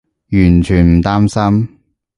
完全唔擔心